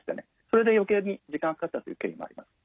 それで余計に時間がかかったという経緯もあります。